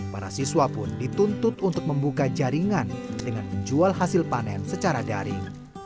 para siswa pun dituntut untuk membuka jaringan dengan menjual hasil panen secara daring